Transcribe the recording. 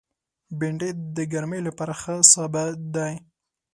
بېنډۍ د ګرمۍ لپاره ښه سابه دی